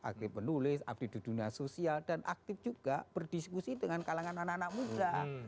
abdul penulis abdi di dunia sosial dan aktif juga berdiskusi dengan kalangan anak anak muda